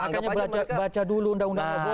makanya baca dulu undang undangnya bos